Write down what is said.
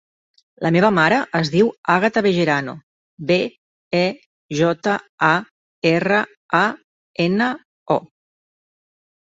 La meva mare es diu Àgata Bejarano: be, e, jota, a, erra, a, ena, o.